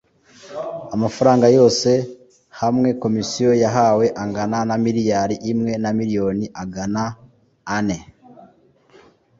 Amafaranga yose hamwe Komisiyo yahawe angana na miliyari imwe na miliyoni agana ane